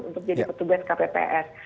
untuk jadi petugas kpps